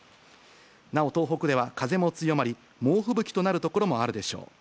なお、東北では風も強まり、猛吹雪となる所もあるでしょう。